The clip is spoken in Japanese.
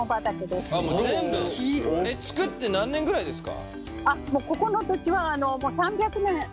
作って何年くらいですか？